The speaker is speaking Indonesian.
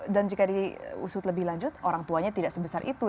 jika diusut lebih lanjut orang tuanya tidak sebesar itu